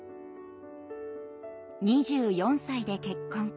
２４歳で結婚。